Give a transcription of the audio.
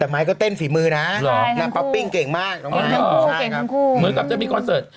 แบบให้ก็แต่นฟีมือนะหรอคราวปิ่งเก่งมากทั้งคู่เก่งทั้งคู่เหมือนกับจะมี